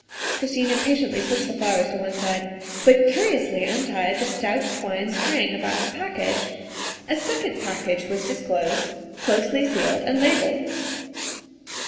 Christine impatiently pushed the flowers on one side, but curiously untied the stout twine string about the package. A second package was disclosed closely sealed and labelled.